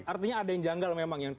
artinya ada yang janggal memang